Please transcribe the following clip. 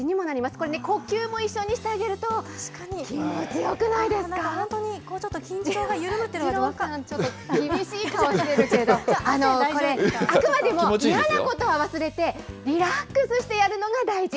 これね、呼吸も一緒にしてあげるこれ、本当に緊張が緩むって二郎さん、ちょっと厳しい顔してるけど、これ、あくまでも嫌なことは忘れてリラックスしてやるのが大事。